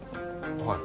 はい。